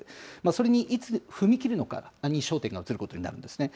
それにいつ踏み切るのかに焦点が移ることになるんですね。